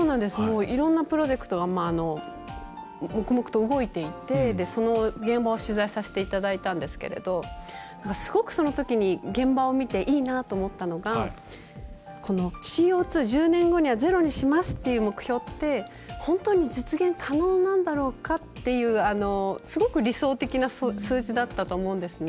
いろんなプロジェクトが黙々と動いていて、その現場を取材させていただいたんですがすごく、そのときに現場を見ていいなと思ったのがＣＯ２、１０年後にはゼロにしますっていう目標って本当に実現可能なんだろうかっていうすごく理想的な数字だったと思うんですね。